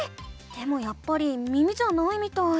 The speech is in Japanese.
でもやっぱり耳じゃないみたい。